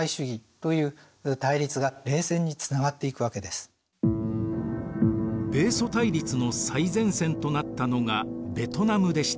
米ソ対立の最前線となったのがベトナムでした。